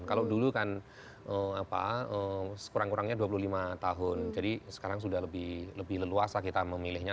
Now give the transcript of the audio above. kalau dulu kan kurang kurangnya dua puluh lima tahun jadi sekarang sudah lebih leluasa kita memilihnya